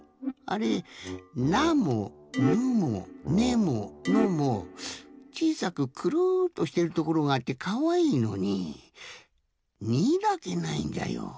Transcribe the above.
あれ「な」も「ぬ」も「ね」も「の」もちいさくくるっとしてるところがあってかわいいのに「に」だけないんじゃよ。